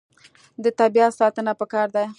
د طبیعت ساتنه پکار ده.